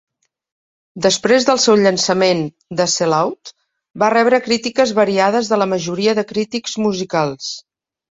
Després del seu llançament, "The Sellout" va rebre crítiques variades de la majoria de crítics musicals.